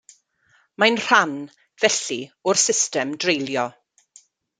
Mae'n rhan, felly, o'r system dreulio.